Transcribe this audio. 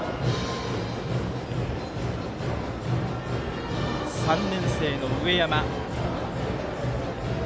バッターは３年生の上山。